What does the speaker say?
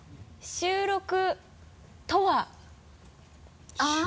収録とは？